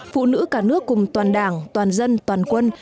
phụ nữ cả nước cùng toàn đảng toàn dân toàn quân